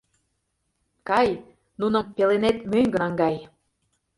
Кай, нуным пеленет мӧҥгӧ наҥгай.